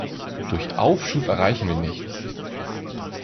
Durch Aufschub erreichen wir nichts.